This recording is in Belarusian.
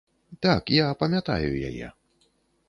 Так, я памятаю яе.